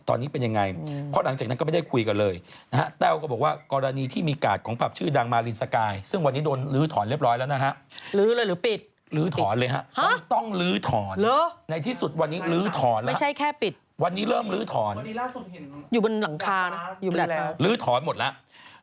ต้องลื้อถอนในที่สุดวันนี้ลื้อถอนแล้วครับวันนี้เริ่มลื้อถอนลื้อถอนหมดแล้ว